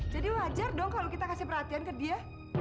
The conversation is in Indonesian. jadi wajar dong kalau kita kasih perhatian ke dia